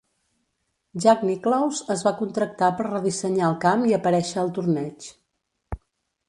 Jack Nicklaus es va contractar per redissenyar el camp i aparèixer al torneig.